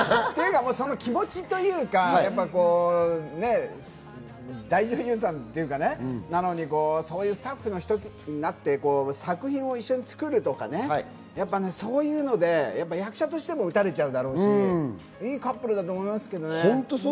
その気持ちというか、大女優さんという中なのに、そのスタッフの１人になって作品を一緒に作るとか、そういうので役者としても打たれちゃうだろうし、いいカップルだと思いますね。